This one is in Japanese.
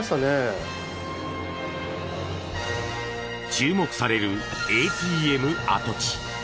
注目されるＡＴＭ跡地。